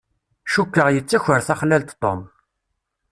Cukkeɣ yettaker taxlalt Tom.